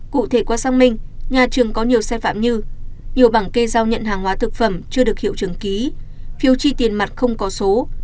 cụ thể qua xác minh nhà trường có nhiều sai phạm như nhiều bảng kê giao nhận hàng hóa thực phẩm chưa được hiệu trường ký phiếu chi tiền mặt không có số